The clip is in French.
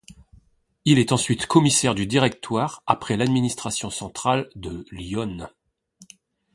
Il est ensuite commissaire du directoire près l'administration centrale de l'Yonne.